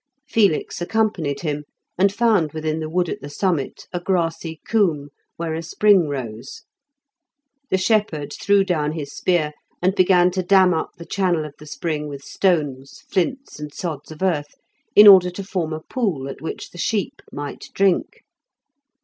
Felix accompanied him, and found within the wood at the summit a grassy coombe, where a spring rose. The shepherd threw down his spear, and began to dam up the channel of the spring with stones, flints, and sods of earth, in order to form a pool at which the sheep might drink.